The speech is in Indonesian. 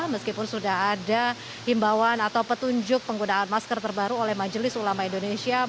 meskipun sudah ada himbauan atau petunjuk penggunaan masker terbaru oleh majelis ulama indonesia